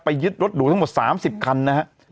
ยึดรถหรูทั้งหมด๓๐คันนะครับ